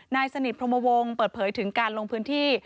นายสนิทพรมวงศ์เปิดเผยถึงการลงพื้นที่